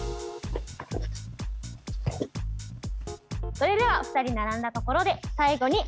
それではお二人並んだところで最後にお散歩をします。